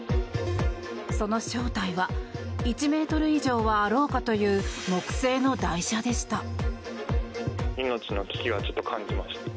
その正体は１ｍ以上はあろうかという木製の台車でした。